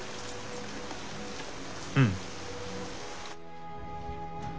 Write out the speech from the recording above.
うん。